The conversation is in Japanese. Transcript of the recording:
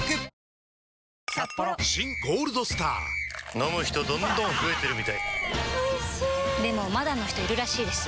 飲む人どんどん増えてるみたいおいしでもまだの人いるらしいですよ